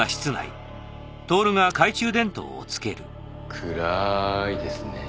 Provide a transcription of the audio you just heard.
暗いですね。